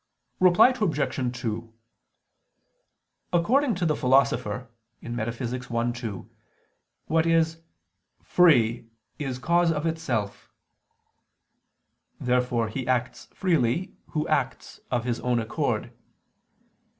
Reply Obj. 2: According to the Philosopher (Metaph. i, 2), what is "free is cause of itself." Therefore he acts freely, who acts of his own accord.